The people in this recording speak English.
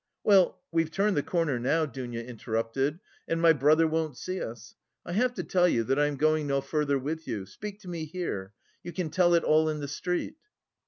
"Well, we've turned the corner now," Dounia interrupted, "and my brother won't see us. I have to tell you that I am going no further with you. Speak to me here. You can tell it all in the street."